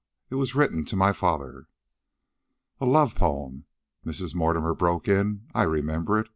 It was written to my father " "A love poem!" Mrs. Mortimer broke in. "I remember it.